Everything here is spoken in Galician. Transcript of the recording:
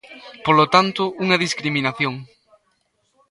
Polo tanto, unha discriminación.